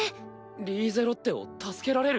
リーゼロッテを助けられる？